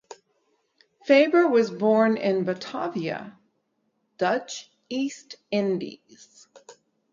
Faber was born in Batavia (Dutch East Indies).